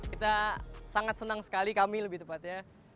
kita sangat senang sekali kami lebih tepatnya